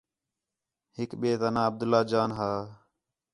ہِک ٻئے تا ناں عبداللہ جان ہا